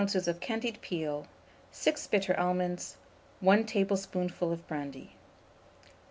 of candied peel, 6 bitter almonds, 1 tablespoonful of brandy.